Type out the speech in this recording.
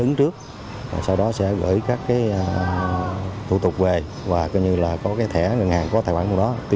gửi sau đó sẽ gửi các cái thủ tục về và coi như là có cái thẻ ngân hàng có tài khoản của nó tuy